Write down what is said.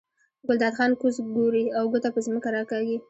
ګلداد خان کوز ګوري او ګوته په ځمکه راکاږي.